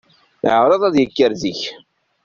Iɛṛeḍ ad d-yekker zik.